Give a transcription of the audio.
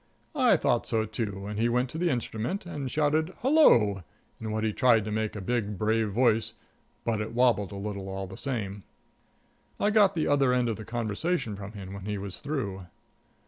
I thought so, too, and he went to the instrument and shouted "Hello!" in what he tried to make a big, brave voice, but it wobbled a little all the same. I got the other end of the conversation from him when he was through.